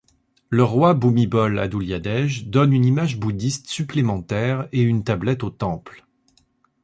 Le roi Bhumibol Adulyadej donne une image bouddhiste supplémentaire et une tablette au temple.